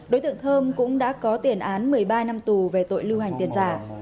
đối tượng thơm cũng đã có tiền án một mươi ba năm tù về tội lưu hành tiền giả